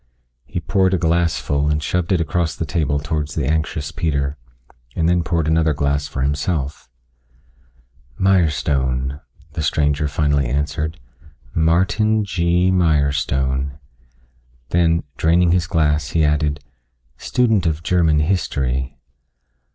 He poured a glass full and shoved it across the table towards the anxious Peter, and then poured another glass for himself. "Mirestone," the stranger finally answered, "Martin G. Mirestone." Then, draining his glass, he added, "Student of German history."